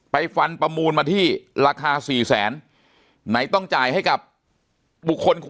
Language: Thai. ฟันประมูลมาที่ราคา๔แสนไหนต้องจ่ายให้กับบุคคล